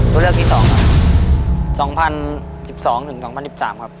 ตัวเลือกที่สอง๒๐๑๒๒๐๑๓ครับ